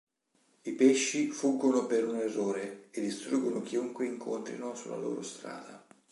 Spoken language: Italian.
I pesci fuggono per un errore e distruggono chiunque incontrino sulla loro strada.